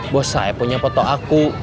bos saya punya foto aku